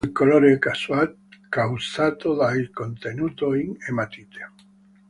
Il colore è causato dal contenuto in ematite.